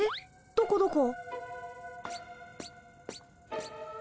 どこどこ？